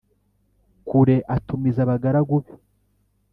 Kure atumiza abagaragu be